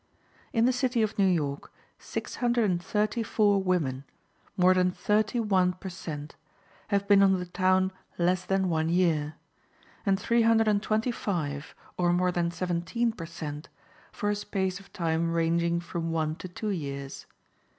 In the city of New York, six hundred and thirty four women, more than thirty one per cent., have been on the town less than one year, and three hundred and twenty five, or more than seventeen per cent., for a space of time ranging from one to two years.